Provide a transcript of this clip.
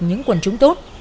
những quần chúng tốt